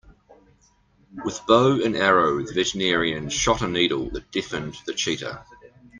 With bow and arrow the veterinarian shot a needle that deafened the cheetah.